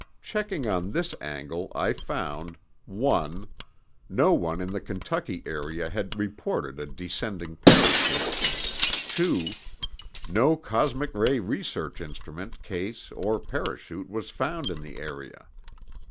Checking on this angle, I found: 1. No one in the Kentucky area had reported a descending parachute. 2. No cosmic ray research instrument case or parachute was found in the area.